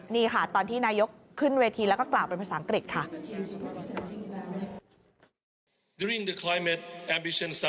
นี่ค่ะตอนที่นายกขึ้นเวทีแล้วก็กล่าวเป็นภาษาอังกฤษค่ะ